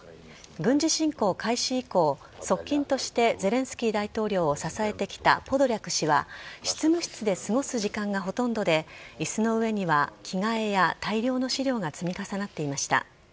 軍事侵攻開始以降、側近としてゼレンスキー大統領を支えてきたポドリャク氏は執務室で過ごす時間がほとんどで椅子の上には着替えや大量の資料が積み重なっていました。